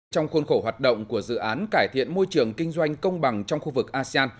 trong khuôn khổ hoạt động của dự án cải thiện môi trường kinh doanh công bằng trong khu vực asean